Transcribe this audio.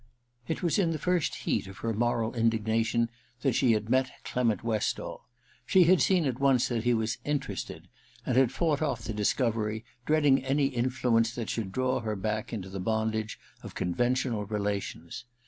It was in the first heat of her moral indigna tion that she had met Clement Westall. She had seen at once that he was ' interested,' and had fought off the discovery, dreading any in fluence that should draw her back into the bondage of conventional relations.